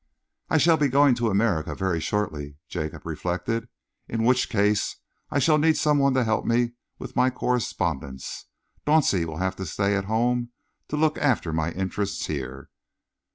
"I shall be going to America very shortly," Jacob reflected, "in which case I shall need some one to help me with my correspondence. Dauncey will have to stay at home to look after my interests here."